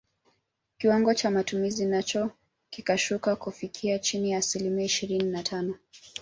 Kiwango cha matumizi nacho kikashuka kufikia chini ya asilimia ishirini na tano